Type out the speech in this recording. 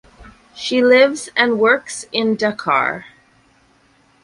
She lives and works in Dakar.